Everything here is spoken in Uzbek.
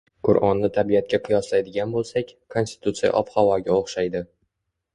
Qurʼonni tabiatga qiyoslaydigan boʻlsak, Konstitutsiya ob-havoga oʻxshaydi